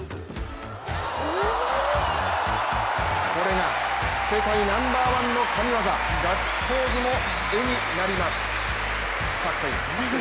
これが世界ナンバーワンの神業、ガッツポーズも絵になります。